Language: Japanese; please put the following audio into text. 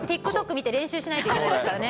見て練習しないといけないからね。